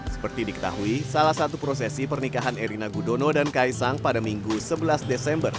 seperti diketahui salah satu prosesi pernikahan erina gudono dan kaisang pada minggu sebelas desember